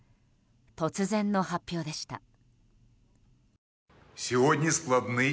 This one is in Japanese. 突然の発表でした。